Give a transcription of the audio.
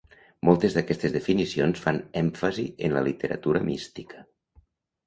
Moltes d'aquestes definicions fan èmfasi en la literatura mística.